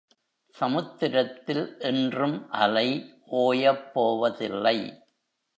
சமுத்திரத்தில் என்றும் அலை ஒயப்போவதில்லை.